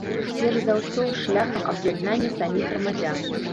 Перш за ўсё, шляхам аб'яднання саміх грамадзян.